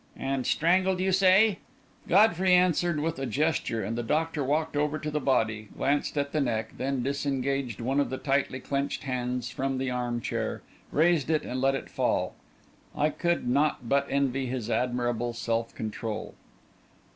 "And strangled, you say?" Godfrey answered with a gesture, and the doctor walked over to the body, glanced at the neck, then disengaged one of the tightly clenched hands from the chair arm, raised it and let it fall. I could not but envy his admirable self control.